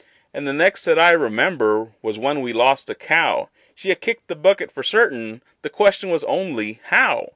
And the next that I remember was when we lost a cow; She had kicked the bucket for certain, the question was only How?